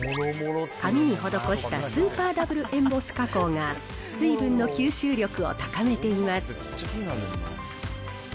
紙に施したスーパーＷエンボス加工が、水分の吸収力を高めています。